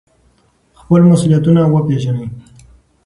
خپل مسؤلیتونه وپیژنئ.